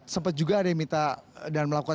sempat juga ada yang minta dan melakukan